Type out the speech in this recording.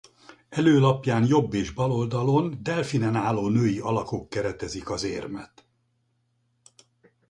Előlapján jobb és bal oldalon delfinen álló női alakok keretezik az érmet.